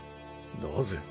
なぜ？